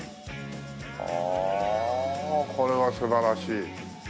ああこれは素晴らしい。